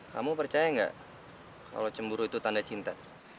kamu percaya nggak kalau cemburu itu tanda cinta